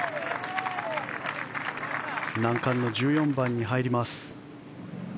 難関の１４番に入ります。